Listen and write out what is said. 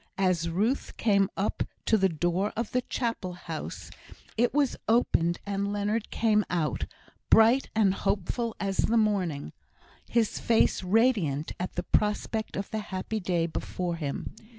As Ruth came up to the door of the Chapel house, it was opened, and Leonard came out, bright and hopeful as the morning, his face radiant at the prospect of the happy day before him.